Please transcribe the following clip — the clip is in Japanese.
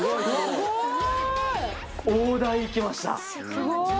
すごい。